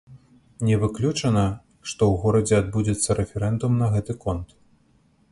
Не выключана, што ў горадзе адбудзецца рэферэндум на гэты конт.